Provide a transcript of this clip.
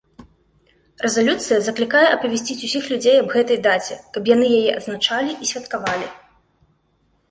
Рэзалюцыя заклікае апавясціць усіх людзей аб гэтай даце, каб яны яе адзначалі і святкавалі.